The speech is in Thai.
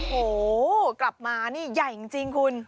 โอ้โหกลับมานี่ใหญ่จริงคุณ